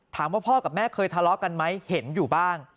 พ่อกับแม่เคยทะเลาะกันไหมเห็นอยู่บ้าง